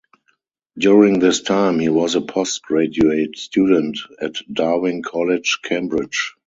During this time he was a postgraduate student at Darwin College, Cambridge.